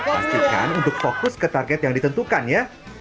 pastikan untuk fokus ke target yang ditentukan ya